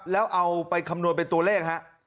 แล้วเอาไปคำนวณเป็นตัวเลขฮะ